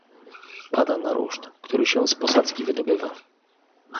"Pada na ruszt, który się z posadzki wydobywa."